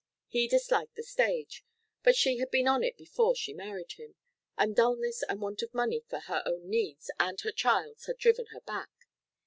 He disliked the stage, but she had been on it before she married him, and dullness and want of money for her own needs and her child's had driven her back.